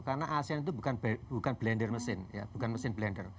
karena asean itu bukan blender mesin